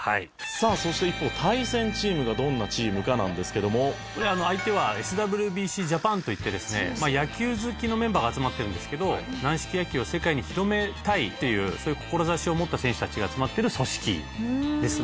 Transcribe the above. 「さあそして一方「相手はＳＷＢＣＪＡＰＡＮといってですね野球好きのメンバーが集まってるんですけど軟式野球を世界に広めたいというそういう志を持った選手たちが集まってる組織ですね」